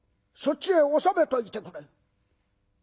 そっちへ収めといてくれ」。